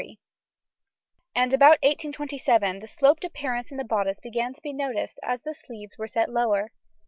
218), and about 1827 the sloped appearance in the bodice began to be noticed as the sleeves were set lower.